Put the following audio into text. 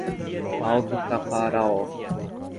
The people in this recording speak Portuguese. Alto Caparaó